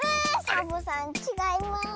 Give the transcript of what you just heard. サボさんちがいます。